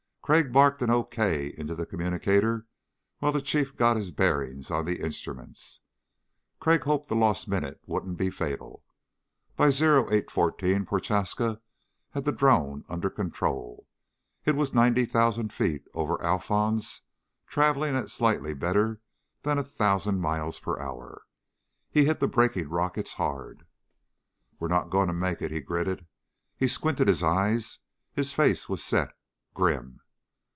Crag barked an okay into the communicator while the Chief got his bearings on the instruments. Crag hoped the lost minute wouldn't be fatal. By 0814 Prochaska had the drone under control. It was 90,000 feet over Alphons traveling at slightly better than a thousand miles per hour. He hit the braking rockets hard. "We're not going to make it," he gritted. He squinted his eyes. His face was set, grim.